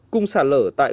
cung sạt lở tại khu vực này